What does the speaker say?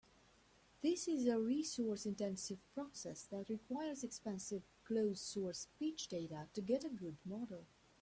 This is a resource-intensive process that requires expensive closed-source speech data to get a good model.